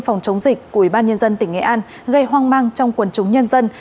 phòng chống dịch của ủy ban nhân dân tỉnh nghệ an gây hoang mang trong quần chúng nhân dân